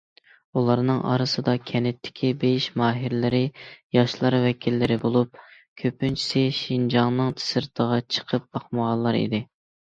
ئۇلارنىڭ ئارىسىدا كەنتتىكى بېيىش ماھىرلىرى، ياشلار ۋەكىللىرى بولۇپ، كۆپىنچىسى شىنجاڭنىڭ سىرتىغا چىقىپ باقمىغانلار ئىدى.